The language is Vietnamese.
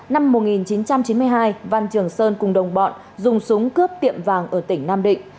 năm một nghìn chín trăm chín mươi hai văn trường sơn cùng đồng bọn dùng súng cướp tiệm vàng ở tỉnh nam định